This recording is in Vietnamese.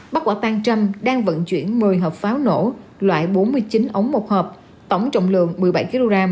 bắt quả tang trâm đang vận chuyển một mươi hộp pháo nổ loại bốn mươi chín ống một hợp tổng trọng lượng một mươi bảy kg